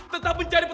satu dua tiga